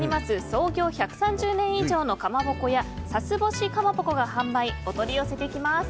創業１３０年以上のかまぼこ屋さすぼし蒲鉾が販売お取り寄せできます。